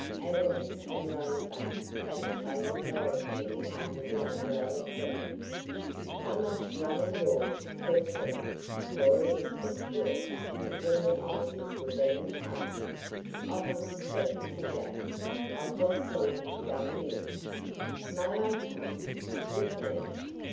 Adonis and Rosebud had a table directly under the umbrella tree. "I must run in doors for a second," Cora whispered to Ed when the ices were being passed. "I want to speak to Jack. I just saw him going in." "May I come?" "With me?"